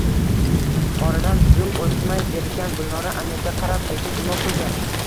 Oradan zum oʼtmay zerikkan Gulnora Аmirga qarab sekin imo qildi.